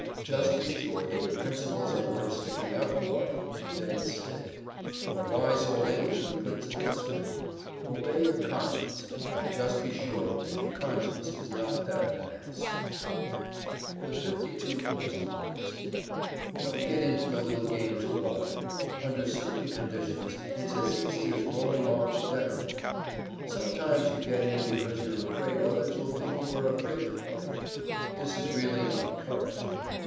Just be sure that your principles are worth sticking up for, and then stick. A wise old Englishman puts it this way: "Obey your conscience; but just be sure that your conscience is not that of an ass." [Illustration: THE 52 PASTEBOARDS] Don't get into the little game too often. Under certain conditions it's as easy as rolling off the decalogue. Sometimes you get in because you're afraid others will think you are afraid to play. This is really not courage.